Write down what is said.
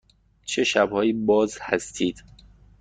چه شب هایی باز هستید؟